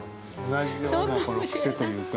同じようなこの癖というか。